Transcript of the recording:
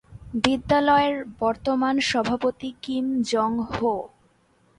বিদ্যালয়ের বর্তমান সভাপতি কিম জং-হো।